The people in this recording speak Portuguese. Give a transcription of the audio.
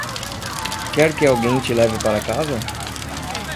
Quer que alguém te leve para casa?